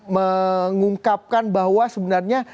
mengungkapkan bahwa sebenarnya